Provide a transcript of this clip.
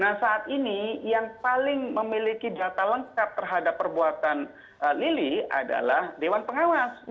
nah saat ini yang paling memiliki data lengkap terhadap perbuatan lili adalah dewan pengawas